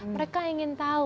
mereka ingin tahu